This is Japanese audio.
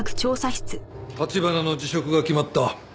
立花の辞職が決まった。